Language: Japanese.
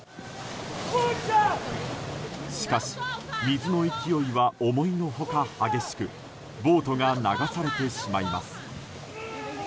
しかし、水の勢いは思いの外激しくボートが流されてしまいます。